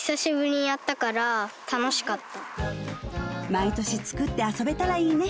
毎年作って遊べたらいいね